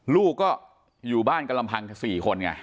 ลูกก็อยู่บ้านกันลำพัง๔คนไง